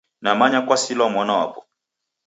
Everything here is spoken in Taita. Namanya kwasilwa mwana wapo.